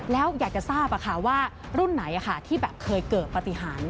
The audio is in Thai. แล้วอยากจะทราบว่ารุ่นไหนที่เคยเกิดปฏิหาร